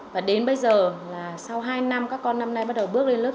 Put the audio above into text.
và đến bây giờ là sau hai năm các con năm nay bắt đầu bước lên lớp